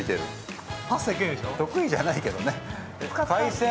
得意じゃないけどね。